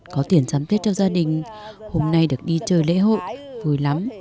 có tiền giám tiết cho gia đình hôm nay được đi chơi lễ hội vui lắm